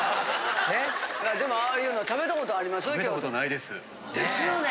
でもああいうの食べたことあります？ですよね。